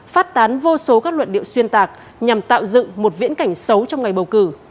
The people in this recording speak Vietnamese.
phát tán vô số các luận điệu xuyên tạc nhằm tạo dựng một viễn cảnh xấu trong ngày bầu cử